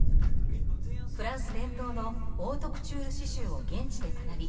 フランス伝統のオートクチュール刺しゅうを現地で学び